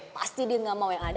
pasti dia nggak mau yang ada